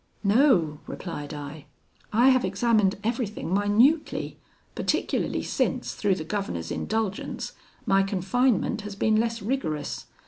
"'No,' replied I; 'I have examined everything minutely, particularly since, through the governor's indulgence, my confinement has been less rigorous.